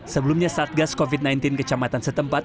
sebelumnya saat gas covid sembilan belas kecamatan setempat